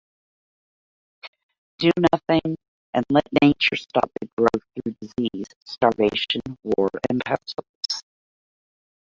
Do nothing and let nature stop the growth through disease, starvation, war and pestilence.